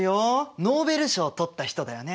ノーベル賞を取った人だよね。